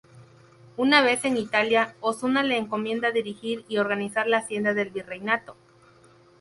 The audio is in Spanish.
Una vez en Italia, Osuna le encomienda dirigir y organizar la Hacienda del Virreinato.